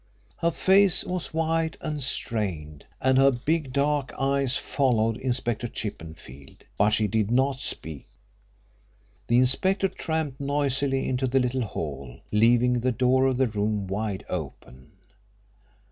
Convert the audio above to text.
Her face was white and strained, and her big dark eyes followed Inspector Chippenfield, but she did not speak. The inspector tramped noisily into the little hall, leaving the door of the room wide open.